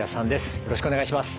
よろしくお願いします。